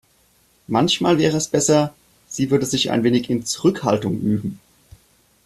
Manchmal wäre es besser, sie würde sich ein wenig in Zurückhaltung üben.